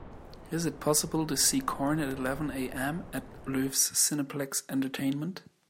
is it possible to see Corn at eleven A.M. at Loews Cineplex Entertainment